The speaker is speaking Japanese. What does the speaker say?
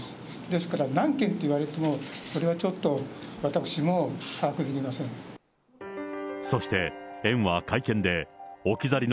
ですから何件って言われても、それはちょっと私も把握できません。